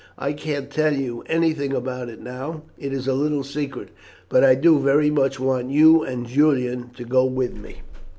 I can't tell you anything about it now; it is a little secret. But I do very much want you and Julian to go with me."